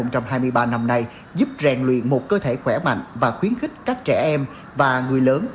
trong hai mươi ba năm nay giúp rèn luyện một cơ thể khỏe mạnh và khuyến khích các trẻ em và người lớn